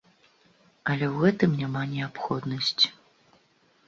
Але ў гэтым няма неабходнасці.